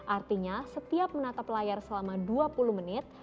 artinya setiap menatap layar selama dua puluh menit